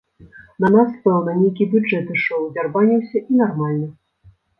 На нас, пэўна, нейкі бюджэт ішоў, дзярбаніўся і нармальна.